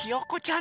ん？